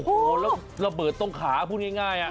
โอ้โฮระเบิดตรงขาพูดง่ายอ่ะ